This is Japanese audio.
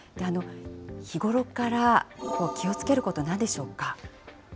日頃から気をつけること、なんでしょうか。